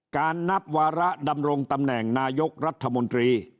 การนับวาระดำรงตำแหน่งนายกรัฐมนตรี